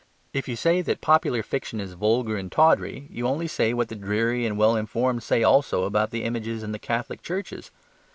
If you say that popular fiction is vulgar and tawdry, you only say what the dreary and well informed say also about the images in the Catholic churches.